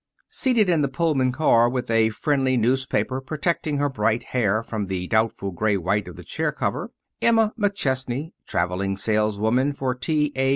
Seated in the Pullman car, with a friendly newspaper protecting her bright hair from the doubtful gray white of the chair cover, Emma McChesney, traveling saleswoman for T. A.